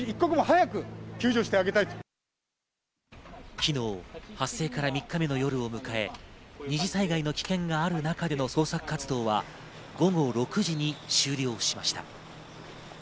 昨日発生から３日目の夜を迎え、二次災害の危険がある中での捜索活動は午後６時に終了しました。